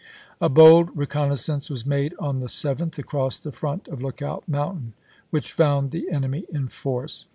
A bold reconnaissance was made on the 7th, sept.,i863. across the front of Lookout Mountain, which found the enemy in force.